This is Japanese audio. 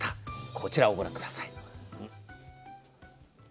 こちらをご覧下さい。